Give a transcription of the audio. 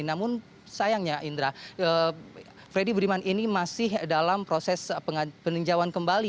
namun sayangnya indra freddy budiman ini masih dalam proses peninjauan kembali